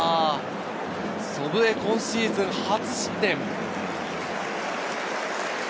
祖父江、今シーズン初失点。